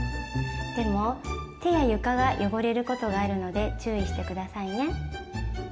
でも手や床が汚れることがあるので注意して下さいね。